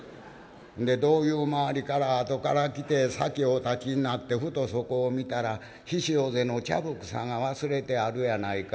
でどういう回りか後から来て先お立ちになってふとそこを見たら緋塩瀬の茶袱紗が忘れてあるやないか」。